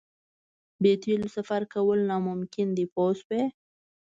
بې تیلو سفر کول ناممکن دي پوه شوې!.